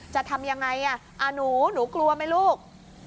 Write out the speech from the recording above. จะทำอย่างไรอ่ะอาหนูหนูกลัวไหมลูก